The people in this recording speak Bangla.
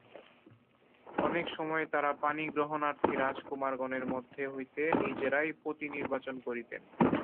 অনেক সময়েই তাঁহারা পাণিগ্রহণার্থী রাজকুমারগণের মধ্য হইতে নিজেরাই পতি নির্বাচন করিতেন।